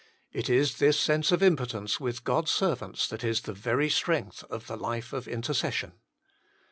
It is this sense of impotence with God s servants that is the very strength of the life of intercession.